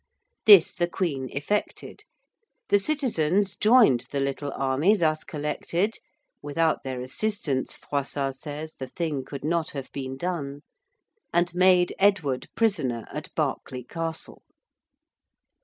This the Queen effected: the citizens joined the little army thus collected without their assistance, Froissart says, the thing could not have been done and made Edward prisoner at Berkeley Castle.